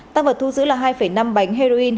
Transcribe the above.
tăng vật thu giữ là hai năm bánh heroin